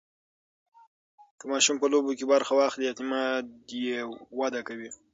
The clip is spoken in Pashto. که ماشوم په لوبو کې برخه واخلي، اعتماد یې وده کوي.